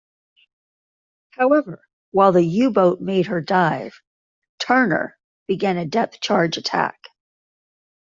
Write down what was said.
However, while the U-boat made her dive, "Turner" began a depth-charge attack.